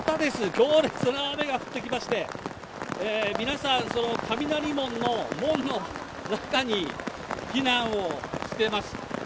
強烈な雨が降ってきまして、皆さん、雷門の門の中に避難をしてます。